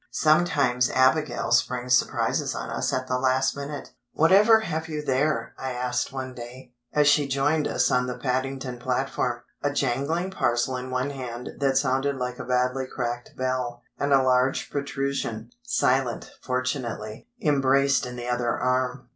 Sometimes Abigail springs surprises on us at the last minute. "Whatever have you there?" I asked one day, as she joined us on the Paddington platform, a jangling parcel in one hand that sounded like a badly cracked bell, and a large protrusion—silent, fortunately—embraced in the other arm.